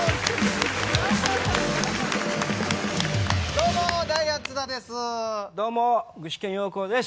どうもダイアン津田です。